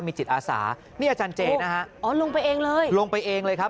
มีจิตอาสานี่อาจารย์เจนะฮะอ๋อลงไปเองเลยลงไปเองเลยครับ